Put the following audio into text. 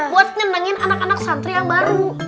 buat nyenengin anak anak santri yang baru